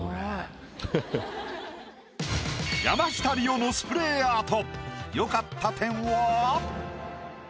山下リオのスプレーアート。